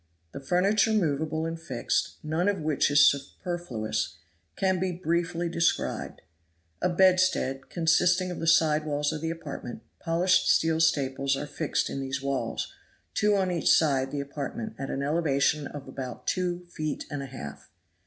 The furniture, movable and fixed, none of which is superfluous, can be briefly described. A bedstead, consisting of the side walls of the apartment; polished steel staples are fixed in these walls, two on each side the apartment at an elevation of about two feet and a half.